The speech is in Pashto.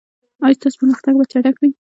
ایا ستاسو پرمختګ به چټک وي؟